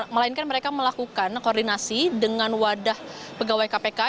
melainkan mereka melakukan koordinasi dengan wadah pegawai kpk